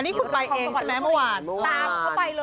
อันนี้คุณไปเองใช่ไหมเมื่อวาน